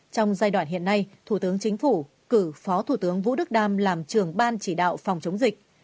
một mươi ba trong giai đoạn hiện nay thủ tướng chính phủ cử phó thủ tướng vũ đức đam làm trường ban chỉ đạo phòng chống dịch